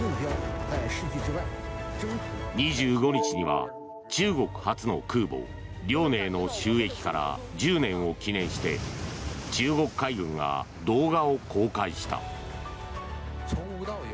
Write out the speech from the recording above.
２５日には中国発の空母「遼寧」の就役から１０年を記念して中国海軍が動画を公開した。